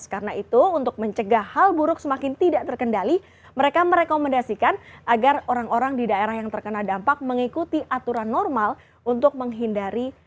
karena itu untuk mencegah hal buruk semakin tidak terkendali mereka merekomendasikan agar orang orang di daerah yang terkena dampak mengikuti aturan normal untuk menghindari penyakit pernapasan